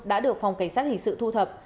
đã được phòng cảnh sát hình sự thu thập